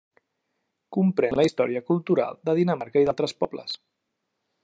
Comprèn la història cultural de Dinamarca i d'altres pobles.